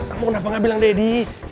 kamu kenapa gak bilang deddy